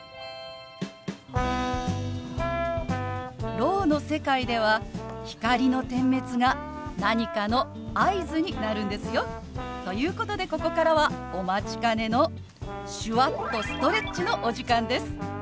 ろうの世界では光の点滅が何かの合図になるんですよ。ということでここからはお待ちかねの手話っとストレッチのお時間です！